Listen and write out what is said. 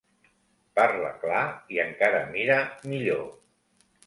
Parla clar i encara mira millor.